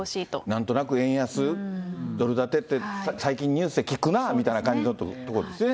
なんとなく円安、ドル建てって、最近ニュースで聞くなみたいな感じのところですね。